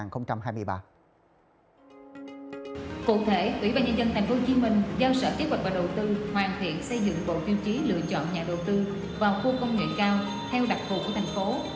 cụ thể ủy ban nhân dân tp hcm giao sở kế hoạch và đầu tư hoàn thiện xây dựng bộ tiêu chí lựa chọn nhà đầu tư vào khu công nghệ cao theo đặc thù của thành phố